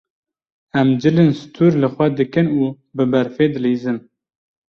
Em cilên stûr li xwe dikin û bi berfê dilîzin.